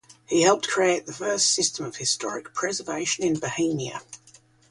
He helped create the first system of historic preservation in Bohemia.